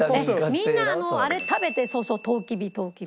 えっみんなあれ食べてそうそうとうきびとうきび。